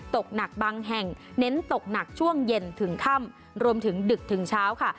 ตกหนักบางแห่งเน้นตกหนักช่วงเย็นถึงค่ำรวมถึงดึกถึงเช้าค่ะ